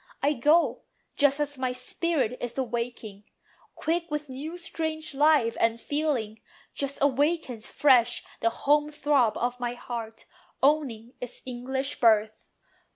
I go Just as my spirit is awaking, quick With new strange life and feeling; just As awakens fresh the home throb of my heart, Owning its English birth.